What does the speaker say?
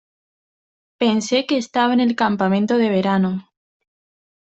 Pensé que estaba en el campamento de verano.